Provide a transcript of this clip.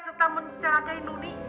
serta mencerakai nuni